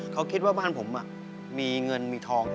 เขาคิดว่าบ้านผมมีเงินมีทอง